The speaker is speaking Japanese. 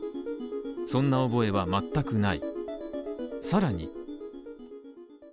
そんな覚えは全くない。